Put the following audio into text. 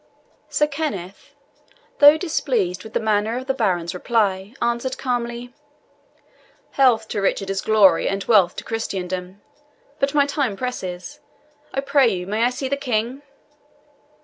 Sir Kenneth, though displeased with the manner of the baron's reply, answered calmly, "Health to Richard is glory and wealth to Christendom. But my time presses; I pray you, may I see the King?"